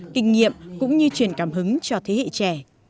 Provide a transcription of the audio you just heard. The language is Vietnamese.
kinh nghiệm cũng như truyền cảm hứng cho thế hệ trẻ